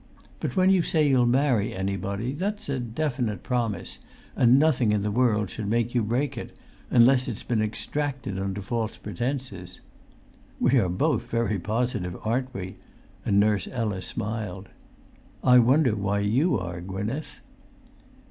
But when you say you'll marry anybody, that's a definite promise, and nothing in the world should make you break it, unless it's been extracted under false pretences. We are both very positive, aren't we?" and Nurse Ella smiled. "I wonder why you are, Gwynneth?"